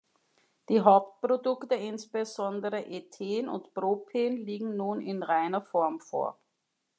Die Hauptprodukte, insbesondere Ethen und Propen, liegen nun in reiner Form vor.